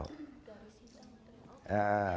nah simbol love di bawah